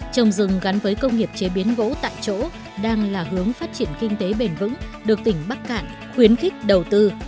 trồng rừng gắn với công nghiệp chế biến gỗ tại chỗ đang là hướng phát triển kinh tế bền vững được tỉnh bắc cạn khuyến khích đầu tư